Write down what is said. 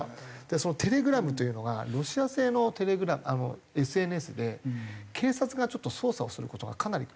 そのテレグラムというのがロシア製のＳＮＳで警察がちょっと捜査をする事がかなり困難なんですね。